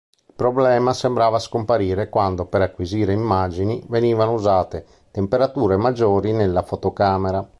Il problema sembrava scomparire quando per acquisire immagini venivano usate temperature maggiori nella fotocamera.